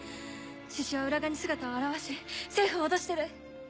志々雄は浦賀に姿を現し政府を脅してる。